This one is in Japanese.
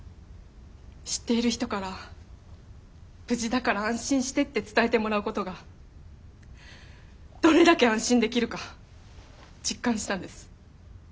知っている人から無事だから安心してって伝えてもらうことがどれだけ安心できるか実感したんです。